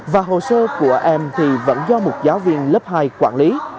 và hồ sơ của em thì vẫn do một giáo viên lớp hai quản lý